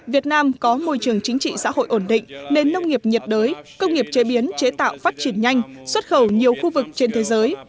việt nam có môi trường chính trị xã hội ổn định nền nông nghiệp nhiệt đới công nghiệp chế biến chế tạo phát triển nhanh xuất khẩu nhiều khu vực trên thế giới